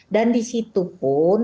dan disitu pun